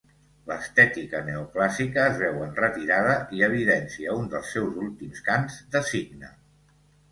L'estètica neoclàssica es veu en retirada i evidència un dels seus últims cants de cigne.